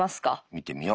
見てみよ。